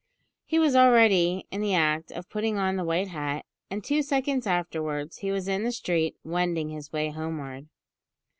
He was already in the act of putting on the white hat; and, two seconds afterwards, was in the street wending his way homeward.